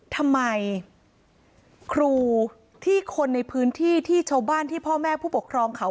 ทำไมครูที่คนในพื้นที่ที่ชาวบ้านที่พ่อแม่ผู้ปกครองเขา